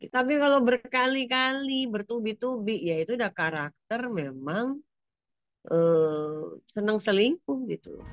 tapi kalau berkali kali bertubi tubi ya itu udah karakter memang senang selingkuh gitu